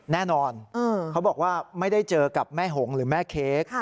แน่นอนเขาบอกว่าไม่ได้เจอกับแม่หงหรือแม่เค้ก